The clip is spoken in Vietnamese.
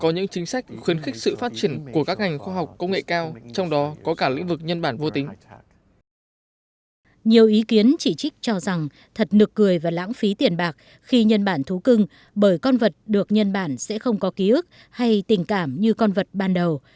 nhiều ý kiến chỉ trích cho rằng thật nực cười và lãng phí tiền bạc khi nhân bản thú cưng bởi con vật được nhân bản sẽ không có ký ức hay tình cảm như con vật ban đầu